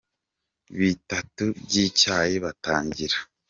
bitatu by’icyayi batangira.